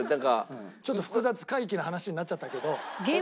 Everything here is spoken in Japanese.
ちょっと複雑怪奇な話になっちゃったけど。